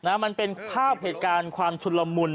มันเป็นภาพเหตุการณ์ความชุดละมุน